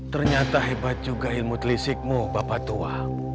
ternyata hebat juga ilmu telisikmu bapak tua